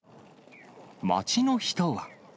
街の人は。